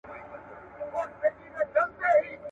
چي طلب ئې کوې، پر پېښ به سې.